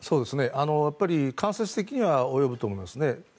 間接的には及ぶと思いますね。